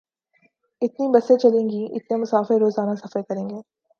اتنی بسیں چلیں گی، اتنے مسافر روزانہ سفر کریں گے۔